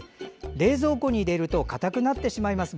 冷蔵庫に入れてしまうとかたくなってしまいます。